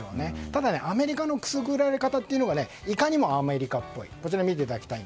ただ、アメリカのくすぐられ方というのはいかにもアメリカっぽい。